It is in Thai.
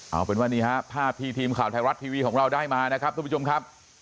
เอาเป็นว่านี่ฮะภาพที่ทีมข่าวไทยรัฐทีวีของเราได้มานะครับทุกผู้ชมครับ